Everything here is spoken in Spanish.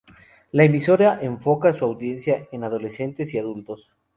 La emisora enfoca su audiencia en adolescentes y adultos.